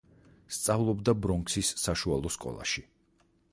სწავლობდა ბრონქსის საშუალო სკოლაში.